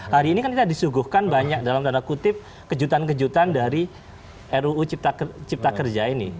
hari ini kan kita disuguhkan banyak dalam tanda kutip kejutan kejutan dari ruu cipta kerja ini